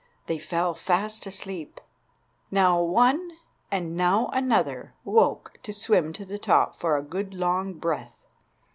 They fell fast asleep. Now one and now another woke to swim to the top for a good long breath.